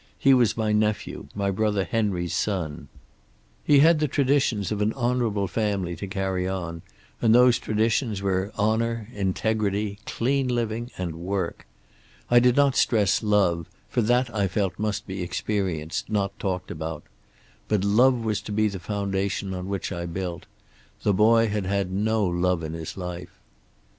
He was my nephew, my brother Henry's son. He had the traditions of an honorable family to carry on, and those traditions were honor, integrity, clean living and work. I did not stress love, for that I felt must be experienced, not talked about. But love was to be the foundation on which I built. The boy had had no love in his life.